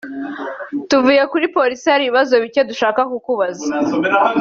tuvuye kuri Polisi hari ibibazo bike dushaka kukubaza